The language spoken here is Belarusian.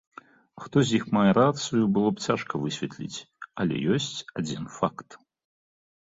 Хто з іх мае рацыю, было б цяжка высветліць, але ёсць адзін факт.